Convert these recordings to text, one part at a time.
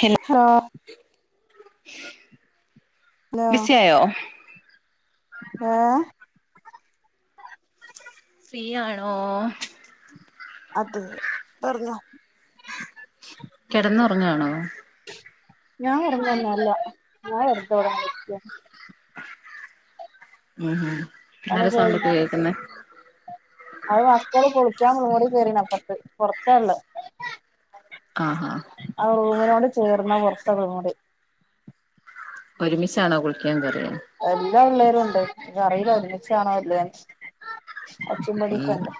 Hello hello ബിസിയായോ ഏഹ് ഫ്രീയാണോ അതെ പറഞ്ഞോ കെടന്നുറങ്ങാണോ ഞാൻ കെടന്നുറങ്ങല്ല ഞാൻ വെറുതെ ഇവിടിങ്ങനെ ഇരിക്കാണ് ഉം നല്ല സൗണ്ടൊക്കെ പണിക്കെകഴിഞ്ഞോ കേൾക്കുന്നെ അത് മക്കള് കുളിക്കാന് ഓടികേറിന് അപ്പം പൊറത്തെള്ള് ആഹ് ഹാ ആ റൂമിനോട് ചേർന്ന പുറത്തെ കുളിമുറി ഒരുമിച്ചാണോ കുളിക്കൻ കേറിയേ എല്ലാ പിള്ളേരും ഒണ്ട് അറിയില്ല ഒരുമിച്ചാണോ അല്ലിയോന്ന് ഉം ഒച്ചെംവിളിയൊക്കെ ഒണ്ട്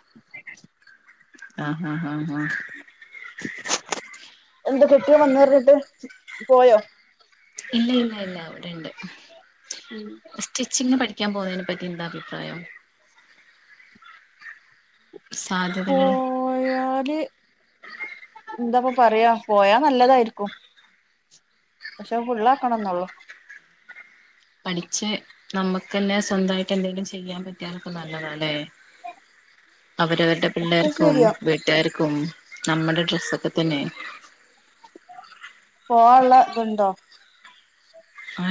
ആഹ് ഹാ ഹാ ഹാ എന്താ കെട്ടിയോൻ വന്ന് പറിഞ്ഞിട്ട് പോയോ ഇല്ല ഇല്ല ഇല്ല അവിടെണ്ട് സ്റ്റിച്ചിംഗ് പഠിക്കാൻ പോന്നെനെപറ്റി എന്താഭിപ്രായം സാധ്യതകള് പോയാല് എന്താപ്പൊ പറയാ പോയാ നല്ലതായിരിക്കും പക്ഷെ അത് ഫുള്ളാക്കണന്നൊള്ളൂ പഠിച്ച് നമുക്കന്നെ സ്വന്തായിട്ട് എന്തെങ്കിലും ചെയ്യാൻ പറ്റിയ അതൊക്കെ നല്ലതല്ലേ അവരവരുടെ ഒക്കെ പിള്ളേർക്കും ശരിയാ വീട്ടുകാർക്കും നമ്മുടെ ഡ്രസ്സൊക്കെ തന്നെ പോവാള്ള ഇതുണ്ടോ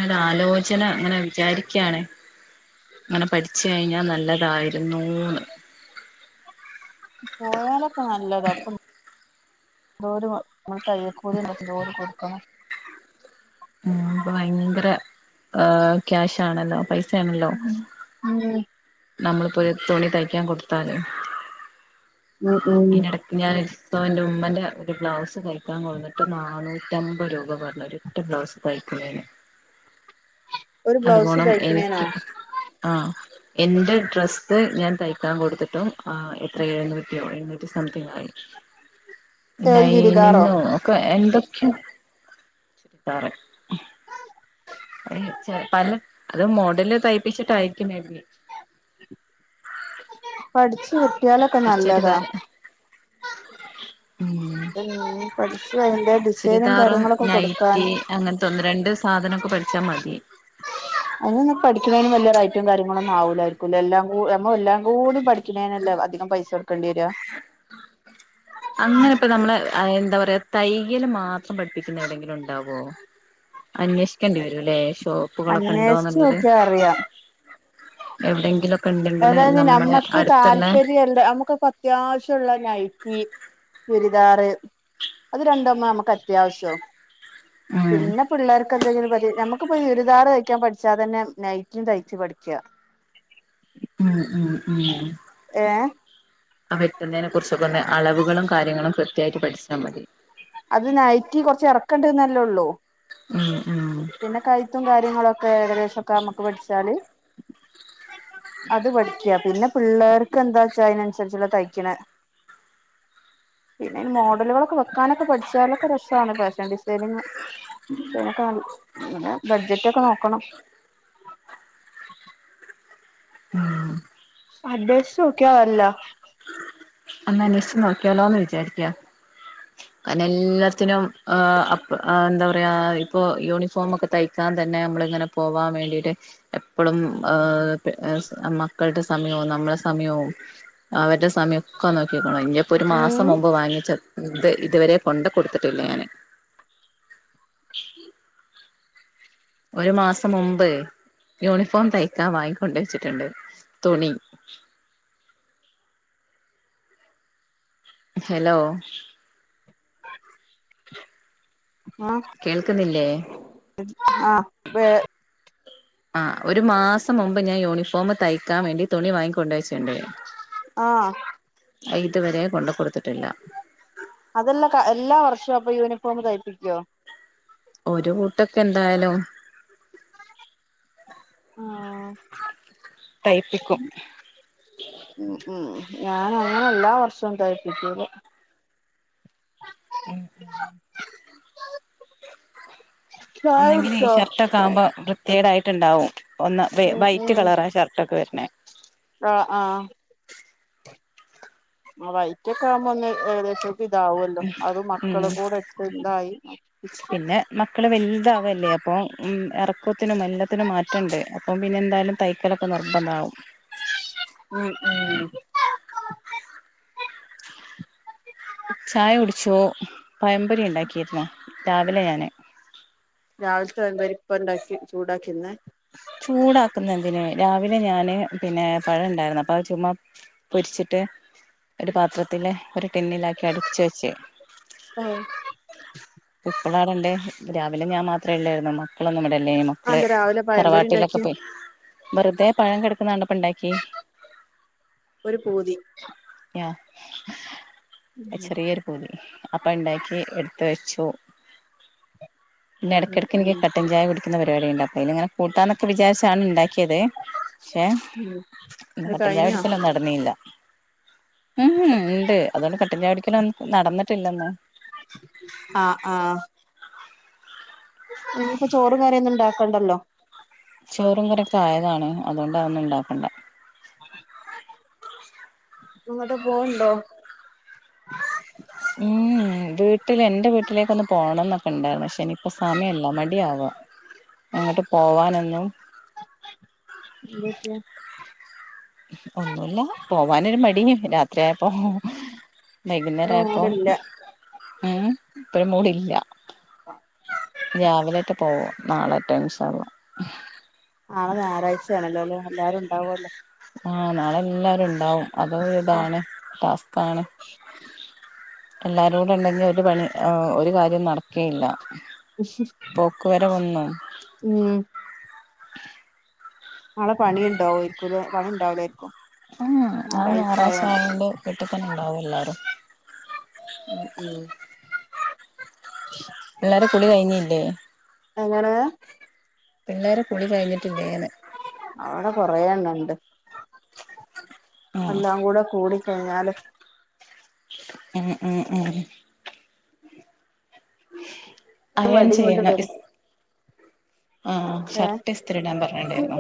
അത് ആലോചന അങ്ങനെ വിചാരിക്കാണ് അങ്ങനെ പഠിച്ചു കഴിഞ്ഞാ നല്ലതായിരുന്നുന്ന് പോയാലൊക്കെ നല്ലത അപ്പൊ എന്തോര് നമ്മുടെ തയ്യൽ കൂലിന്നെ എന്തോര് കൊടുക്കണം ആ പ്പൊ ഭയങ്കര ക്യാഷ് ആണല്ലോ പൈ ഉം അതെ നമ്മളിപ്പോ ഒരു തുണി തയ്ക്കാൻ കൊടുത്താല് ഉം ഉം അയ്ന്റെടക് ഞാൻ ഇപൊ എന്റെ ഉമ്മന്റെ ഒരു ബ്ലൗസ് തൈയ്ക്കാൻ റ്റ ബ്ലൗസ് തയ്ക്കുന്നന് ഒരു ബ്ലൗസ് അതുപോണം തയ്ക്കണേനോ എനിക്ക് ആ ഹ എന്റെ ഡ്രസ്സ് ഞാൻ തയ്ക്കാൻ കൊടുത്തിട്ടും അഹ എത്ര എഴുന്നൂറ്റിയോ എന്ന് സംതിഗായി ഏത് ചുരിദാറോ ലൈനിങ്ങോ ഒക്കെ എന്തൊ ശരി പറാ [unintelligible] ചെ പല അത് മോഡല് തയ്പ്പിച്ചിട്ടായിരിക്കും മേബി പഠിച്ച് കിട്ടിയാലൊക്കെ കുറച്ചൊരു നല്ലതാ വേറെ ഉം ഉം പഠിച്ച് അതിന്റെ ഡിസൈനും ചുരിദാറും കാര്യങ്ങളൊക്കെ കൊടുക്കാൻ നൈറ്റി അങ്ങനത്തെ ഒന്ന് രണ്ട് സാധനൊക്കെ പഠിച്ചാൽ മതി അയ്നൊന്നും പഠിക്ക്ണേതിന് വല്ലിയ റൈറ്റും കാര്യങ്ങളൊന്നും ആവൂലായിരിക്കു എല്ലാം കൂ 'നമ്മെ എല്ലാം കൂടി പഠിക്കുന്നേനല്ലേ അധികം പൈസ കൊടുക്കേണ്ടി വരിയ അങ്ങനെ ഇപ്പ നമ്മള് എന്താ പറയാ തയ്യല് മാത്രം പഠിപ്പിക്കുന്ന എവിടെയെങ്കിലും ഉണ്ടാവോ അന്വേഷിക്കേണ്ടി വരുലേ ഷോപ്പുകളൊക്കെ അന്വേഷിച്ച് ഉണ്ടോന്നുള്ളത് നോക്കിയാ അറിയാം എവിടെങ്കിലും അതായത് നമ്മുക്ക് താല്പര്യല്ല നമ്മുക്ക് അത്യാവശ്യുള്ള നൈറ്റി ചുരിദാറ് അത് രണ്ടു മ്മ നമുക്ക് അത്യാവശ്യം ഉം പിന്നെ പിള്ളേർക്ക് എന്തെങ്കിലും പറതി നമുക്കിപ്പോ ചോരിദാർ തയ്ക്കാൻ പഠിച്ചാൽ തന്നെ നൈറ്റിം തയ്ച്ചു പഠിക്ക ഉം ഉം ഉം ഏഹ് ആ വെട്ടുന്നേനെ കുറിച്ചൊക്കെ ഒന്ന് അളവുകളും കാര്യങ്ങളും കൃത്യമായിട്ട് പഠിച്ചാൽ മതി അത് നൈറ്റി കുറച്ച് എറക്കണ്ട്ന്നല്ലേള്ളൂ ഉം ഉം പിന്നെ കൈത്തും കാര്യങ്ങളൊക്കെ ഏകദേശൊക്കെ നമുക്ക് പഠിച്ചാല് അത് പഠിക്ക പിന്നെ പിള്ളേർക്ക് എന്താ ച്ചാ അതിനനുസരിച്ചുള്ള തയ്ക്ക്ണ ആ പിന്നെ ഈ മോഡലോളൊക്കെ വെക്കാനൊക്കെ പഠിച്ചാലൊക്കെ രസാണ് ഫാഷൻ ഡിസൈനിങ് ബഡ്ജറ്റ് ഒക്കെ നോക്കണം ഉം അന്വേഷിചോക്ക്യ അല്ല ഒന്ന് അന്വേഷച്ച് നോക്കിയാലോന്ന് വിചാരിക്ക അനെ എല്ലാത്തിനും എന്താ പറയാ ഇപ്പൊ യൂണിഫോമൊക്കെ തയ്ക്കാൻ തന്നെ നമ്മള് ഇങ്ങനെ പോവാൻ വേണ്ടിയിട്ട് എപ്പോഴും മക്കളുടെ സമയവും നമ്മളെ സമയവും അവരുടെ സമയ..... ഒക്കെ നോക്കിക്കോണു ഇനിയിപ്പോ ഒരു ഉം മാസം മുമ്പ് വാങ്ങിച്ച ഇ ഇതുവരെ കൊണ്ട് കൊടുത്തിട്ടില്ല ഞാന് ഒരു മാസം മുമ്പേ യൂണിഫോം തയ്ക്കാൻ വാങ്ങിക്കൊണ്ട് വെച്ചിട്ടുണ്ട് തുണി ഹലോ..... കേൾക്കുന്നില്ലേ.... ആഹ ഇപ്പേ ആഹ് ഒരു മാസം മുമ്പ് ഞാ യൂണിഫോം തയ്ക്കാൻ വേണ്ടി തുണി വാങ്ങിക്ക കൊണ്ടുവെച്ചു ആഹ് അതുവരെ കൊണ്ട കൊടുത്തിട്ടില്ല അതെല്ലാം എല്ലാ വർഷവും അപ്പൊ യൂണിഫോം തയ്പപ്പിക്കുവോ ഒരു കൂട്ടൊക്കെ എന്തായാലും...... ആഹ തൈപ്പിക്കും..... ഉ ഉം ഞാൻ അങ്ങനെ എല്ലാ വർഷവും തയ്പ്പിക്കൂല എ..... ചായ ഒന്നെങ്കിലും ഈ കുടിച്ചോ ഷർട്ടൊക്കെ ആകുമ്പോ വൃത്യേടായിട്ട്ണ്ടാവും. ഒന്ന് ഉം വൈറ്റ് കളർ ആ ഷർട്ട് ഒക്കെ വരണേ...... ആഹ ആഹ...... ആ വൈറ്റ ഒക്കെ ആവുമ്പോ ഒന്ന് ഏകദേശം. ഇതാവല്ലോ അത് ഉം മക്കള കൂടെ ഇട്ട് ഇണ്ടായി... മക്കൾ വലുതാവല്ലേ അപ്പോൾ ഇറക്കത്തിനും എല്ലത്തിനും മാറ്റണ്ട് അപ്പം പിന്നെ എന്തായാലും..... തൈക്കലൊക്കെ നിർബന്ധ വാവും..... ഉം ഉം...... ചായ കുടിച്ചോ പയംപൊരി ഉണ്ടാക്കിയിരുന്ന രാവിലെ ഞാൻ...... രാവിലത്തെ പഴം പൊരി എന്തരി ഇപ്പ ഉണ്ടാക്കി ചൂടാക്കിന്ന്. ചൂടാക്കുന്ന എന്തിനന് രാവിലെ ഞാന് പിന്നെ പഴം ഉണ്ടായിരുന്നു അപ്പൊ ചുമ്മാ. പൊരിച്ചിട്ട് ഒരു പാത്രത്തിലെ ഒരു ടിന്നിലാക്കി അടച്ച് വെച്ചേ. ഇപ്പോള ണ്ടണ്ട് ര്രാവിലെ ഞാൻ മാത്രേ ഉള്ളായിരുന്നു മക്കളൊന്നും ഇവിടെല്ലേയ്നു അതന്ത രാവിലെ പഴംപൊരി തറവാട്ടിലൊക്കെ ഉണ്ടാക്കിയെ പോയി വെറുതെ പഴം കിടക്കുന്നതാണ്പ്പ ഇണ്ടാക്കി..... ഒരു പൂതി..... ഉം ചെറിയൊരു പൂതി അപ്പ ഉണ്ടാക്കി എടുത്ത വെച്ചു. പിന്നെ ഉം ഇടക്കിടക്ക് എനിക്ക് ഉം കട്ടൻ ചായ പിടിക്കുന്ന പരിപാടി ഉണ്ട അപ്പ അ ഇങ്ങനെ..... കൂട്ടാന്നൊക്കെ വിചാരിച്ചാണ് ഉണ്ടാക്കിയത് പക്ഷേ ഉം അത് കഴിഞ്ഞോ കട്ടച്ചായ നടന്നീയില്ല ഇഹ് ഇണ്ട് അതുകൊണ്ട് കെട്ടിചാടിക്കലുംന്ന നടന്നിട്ടില്ലന്ന്..... ആഹ ആഹ..... ഇനിഇപ്പോ ചോറും കറിയൊന്നും ഉണ്ടാക്കണ്ടല്ലോ.... ചോറും കറിഒക്കെആയതാണ് അതുകൊണ്ട അത്‌ ഒന്നും ഇണ്ടാക്കണ്ട. ഇങ്ങട്ട് പോക്ണ്ടോ? ഉം ഉം വീട്ടിൽ എന്റെ വീട്ടിലേക്കൊന്ന് പോണംന്നൊക്കെ ഇണ്ടായിരുന്നു പക്ഷേ ഇനിയിപ്പോ സമയല്ല മടിയ ആവാ. അങ്ങട്ട് പോവാനൊന്നും എന്താ പറ്റിയേ? ഒന്നുല്ല പോവാനൊരു മടി രാ ത്രി ആയപ്പം ഇവിടെ വൈകുന്നേരായപ്പം ഇല്ല ഉം ഇപ്പഴും മൂടില്ല. രാവിലെറ്റ പോവ നാളെറ്റെ ഇൻഷാ അള്ളാ. നാളെ ഞായറാഴ്ചയാണല്ലോ ലെ എല്ലാരും ഉണ്ടാവല്ലോ. ആഹ് നാളെല്ലാരും ഇണ്ടാവും അതൊരു ആഹ് ഇതാണ് ടാസ്ക്കാണ്. എല്ലാരും കൂടെ ഇണ്ടെങ്കി ഒരു പണി ഒരു കാര്യം നടക്കേയില്ല. പോക്ക് വരവൊന്നും ഉം നാളെ പണി ഇണ്ടാവൂര്ക്കുലേ പണി ഇണ്ടാവുലായിരിക്കും? ഉം നാളെ ഞായറാഴ്ച ആയോണ്ട് വീട്ടിൽ തന്നെ ഉണ്ടാവും എല്ലാരും. ഉം ഉം പിള്ളേരെ കുളി കഴിഞ്ഞില്ലേ? എങ്ങനെ? പിള്ളേരെ കുളി കഴിഞ്ഞിട്ടില്ലേന്ന്‌? അവടെ കൊറെ എണ്ണം ഇണ്ട് ഉം എല്ലാം കൂടെ കൂടി കഴിഞ്ഞാല് ഉം ഉം ഉം അയേൺ വടിയും കൊണ്ട് ചെയ്യണം വരും ഇസ് ആഹ് ഏ ഷർട്ട് ഇസ്തിരി ഇടാൻ പറഞ്ഞിണ്ടായിരുന്നു.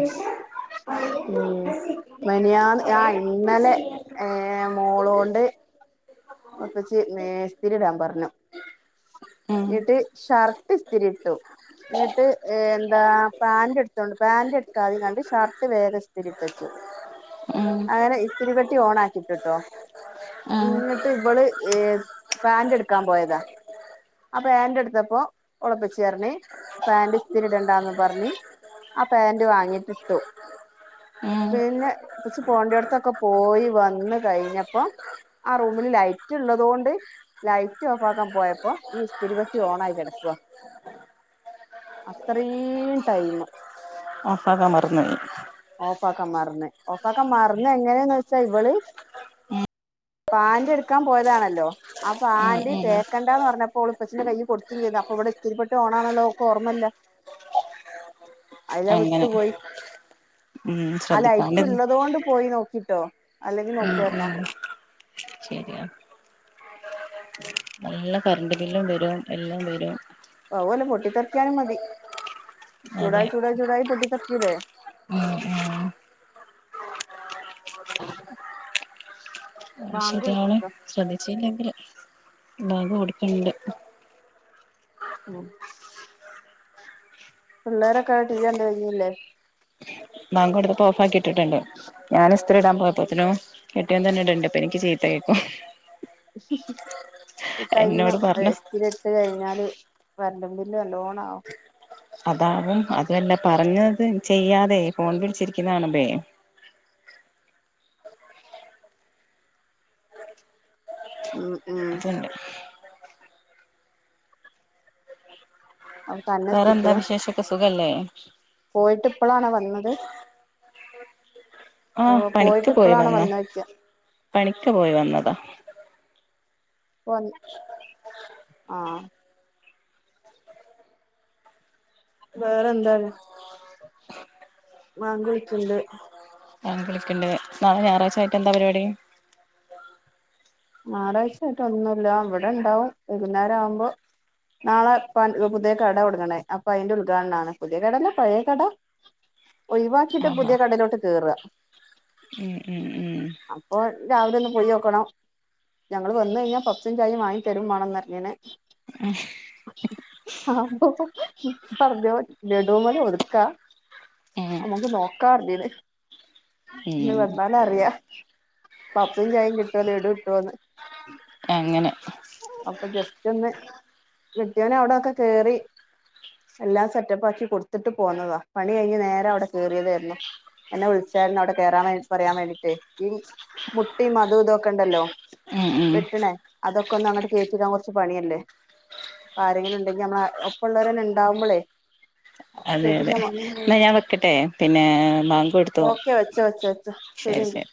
മെനഞ്ഞാന്ന് ആഹ് ഇന്നലെ ഏഹ് മോളോണ്ട് വാപ്പച്ചി മേസ്തിരിടാൻ പറഞ്ഞു ഉം ഇട്ട് ഷർ ട്ട് ഇസ്തിരിയിട്ടു എന്നിട്ട് ഏഹ് എന്താ പാന്റ് എടുത്തോണ്ട് പാന്റ് എടുക്കാതിം കാണ്ട് ഷർട്ട് വേഗം ഇസ്തിരി ഇട്ടച്ചു. ഉം അങ്ങനെ ഇസ്തിരി പെട്ടി ഓൺ ആക്കിട്ട്ട്ടോ ഉം ഇങ്ങ ട്ട് ഇവള് ഏഹ് പാന്റ് എടുക്കാൻ പോയതാ ആഹ് പാന്റ് എടുത്തപ്പോ ഓളെ ഇപ്പച്ചിർഞ്ഞ് പാൻ്റ് ഇസ്തിരി ഇടണ്ടാന്ന് പർഞ്ഞ് ആഹ് പാന്റ് വാങ്ങിട്ടിട്ടു ഉം പിന്നെ ഇപ്പച്ചി പോവണ്ടിടുത്തൊക്കെ പോയി വന്ന് കഴിഞ്ഞപ്പം ആഹ് റൂ ലൈറ്റ് ഉള്ളതുകൊണ്ട് ലൈറ്റ് ഓഫ് ആക്കാൻ പോയപ്പോ ഈ ഇസ്തിരിപെട്ടി ഓൺ ആയി കെട ക്കുവാ അത്രേം ടൈമ് ഓഫാക്കാൻ മറന്നു പോയി ഓഫാക്കാൻ മർന്ന് ഓഫാക്ക മർന്ന് എങ്ങനെയന്ന് വെച്ചാ ഇവള് പാന്റ് എടുക്കാൻ പോയതാണല്ലോ. ആഹ് ഉം പാന്റ് ഉം തേക്കണ്ടാന്ന് പറഞ്ഞപ്പോ ഓള് ഇപ്പച്ചിന്റെ കയ്യി കൊടുത്തു ചെയ്ത് അപ്പം ഇവടെ ഇസ്തിരിപ്പെട്ടി ഓണാണ്ള്ളേ ഓക്ക് ഓർമ്മല്ല. [unintelligible] അയിലഹ് വിട്ടു അങ്ങനെ പോയി ഉം ആഹ് ലൈറ്റ് ശ്രദ്ധിക്കാണ്ടിരുന്നു ഉള്ളതുകൊണ്ട് പോയി നോക്കിട്ടോ അല്ലെങ്കിൽ നോക്കു വാരുന്നോ. ശരിയാ നല്ല കറണ്ട് ബില്ലും വരും എല്ലാം വരും. അതുവല്ല പൊട്ടി തെറിക്കാനും മതി. ചൂടായി ചൂടായി അതെ ചൂടായി പൊട്ടിത്തെറിക്കൂലേ ഉം ഉം അത് ബാങ്ക് ശരിയാണ് വിളിച്ചല്ലോ ശ്രദ്ധിച്ചില്ലെങ്കിൽ [unintelligible] [unintelligible] പിള്ളേരൊക്കെ ടി വി കണ്ടു കഴിഞ്ഞില്ലേ? വാങ്കടുത്തപ്പൊ ഓഫാക്കി ഇട്ടിട്ടുണ്ട്. ഞാന് ഇസ്തിരിയിടാൻ പോയപ്പോത്തിനും കെട്ടിയോൻ തന്നെ ഇട്ണ്ട്. പ്പ എനിക്ക് ചീത്ത കേട്ടു. ഹി ഹി ഹി ടൈമിന് എന്നോട് പറഞ്ഞ ഏഹ് ഇസ്തിരി ഇട്ട് കഴിഞ്ഞാല് കറണ്ട് ബില്ല് നല്ലോണം ആ- അതാവും. അതുവല്ല പറഞ്ഞത് ചെയ്യാതെ ഫോൺ വിളിച്ചിരിക്കുന്ന കാണുമ്പേ ഉം... ഉം... അതുണ്ട് അപ്പൊ തന്നെ വേറെ ന്താ ഇസ്തിരിട്ട് വിശേഷക്കെ സുഖല്ലേ? പോയിട്ട് ഇപ്പളാണോ വന്നത്? ആഹ്! പണിക്ക് പോയിട്ട് പോയി ഇപ്പളാണോ വന്ന. വന്നോയ്ക്ക പണിക്ക് പോയി വന്നതാ. പോന്ന്‌. ആഹ്! വേറെന്താണ്. ബാങ്ക് വിളിക്ക്ണ്ട്. വാങ്ക് വിളിക്കേണ്ട്. നാളെ ഞായറായിച്ചായിട്ട് എന്താ പരിപാടി? ഞായാറാഴ്ച ക്കെ ഒന്നുല്ല. വടെ ണ്ടാവും. വൈകുന്നേരവുമ്പോ- നാളെ പാ പുതിയ കട തൊടങ്ങണ്. അപ്പൊ അയിന്റെ ഉദ്ഘാടനാണ്. പുതിയ കട അല്ല. പഴയ കട. ഒഴിവാക്കിട്ട ആഹാ പുതിയ കടലോട്ട് കേറ. ഉം ഉം ഉം. അപ്പോ രാവിലെന്ന്, പൊയോക്കണം. ഞങ്ങള് വന്നെഴിഞ്ഞാ പഫ്സും ചായും വാങ്ങിതരും മാണന്നർഞ്ഞിക്ക്ണ്. എഹ്. ആപ്പൊ പറഞ്ഞോ ലഡൂ മല് ഒതുക്കാ. ഉം ഞങ്ങ്ക്ക് നോക്കാർഞ്ഞീന്ന്. ഞി ഉം വന്നാ. ന്നാലറ്വ. പപ്പ്സും ചായും കിട്ടേ, ലെഡു ട്ടേന്ന്. എങ്ങനെ. അപ്പൊ ജസ്‌റ്റോന്ന്. കെട്ടിയേന് അവിടെക്കെ കേറി. എല്ലാം സെറ്റപ്പാക്കി കൊടുത്തിട്ട് പോന്നതാ, പണി കഴിഞ്ഞ് നേരെ അവിടെ കേറിയതായിരുന്നു. എന്നെ വിളിച്ചായിരുന്നു അവിടെ കേറാൻ വേണ്ടി പറയാൻ വേണ്ടീട്ടെ. ഈ മുട്ടിം മതും ഇതോക്കെണ്ടല്ലോ. ഉം ഉം വെട്ട്ണേ, അതൊക്കെന്ന് അങ്ങട്ട് കേറ്റിടാൻ കെർച്ച് പണിയല്ലേ. ആരെങ്കിലുണ്ടെങ്കി, നമ്മളെ ഒപ്പ ള്ളേരെന്നെ ണ്ടാവുമ്പളേ. [inaudible] അതെ അതെ ന്നാ ഞാ വെക്കട്ടെ. പിന്നെ.. ബാങ്കെടുത്തു. ഓക്കെ വെച്ചോ വെച്ചോ വെച്ചോ ശരി ശെരി, എങ്കി ശെരി.